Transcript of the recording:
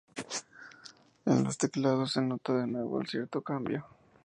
En los teclados se nota de nuevo cierto cambio.